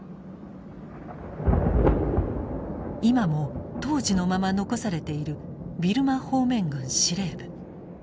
今も当時のまま残されているビルマ方面軍司令部。